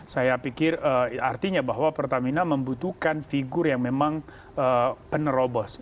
saya pikir artinya bahwa pertamina membutuhkan figur yang memang penerobos